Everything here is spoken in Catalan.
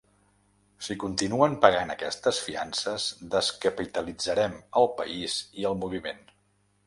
Si continuen pagant aquestes fiances, descapitalitzarem el país i el moviment.